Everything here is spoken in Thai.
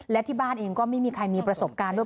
และที่บ้านเองก็ไม่มีใครมีประสบการณ์ด้วย